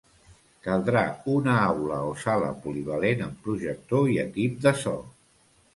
Caldrà una aula o sala polivalent amb projector i equip de so.